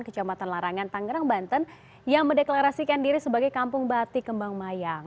kecamatan larangan tangerang banten yang mendeklarasikan diri sebagai kampung batik kembang mayang